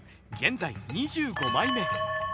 現在２５枚目。